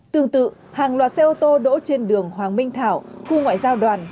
tương tự hàng loạt xe ô tô đỗ trên đường hoàng minh thảo khu ngoại giao đoàn